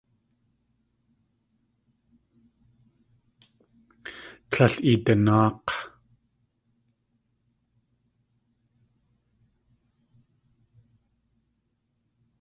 Líl idanáak̲!